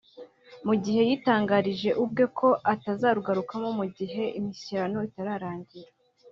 mu gihe yitangarije ubwe ko atazarugarukamo mu gihe imishyikirano itararangira